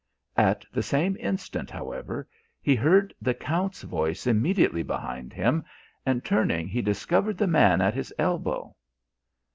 At the same instant, however, he heard the Count's voice immediately behind him, and turning he discovered the man at his elbow.